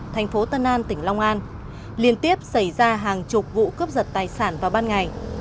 thành phố tân an tỉnh long an liên tiếp xảy ra hàng chục vụ cướp giật tài sản vào ban ngày